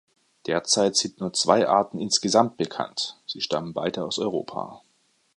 Derzeit sind nur zwei Arten insgesamt bekannt, sie stammen beide aus Europa.